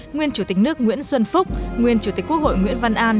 nguyên chủ tịch nước nguyễn xuân phúc nguyên chủ tịch quốc hội nguyễn văn an